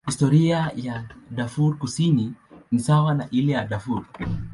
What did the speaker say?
Historia ya Darfur Kusini ni sawa na ile ya Darfur.